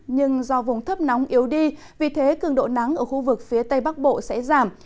nhưng do vùng thấp nóng yếu đi vì thế cường độ nắng ở khu vực phía tây bắc bộ sẽ giảm